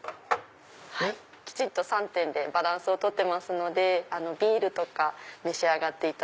きちんと３点でバランスを取ってますのでビールとか召し上がって。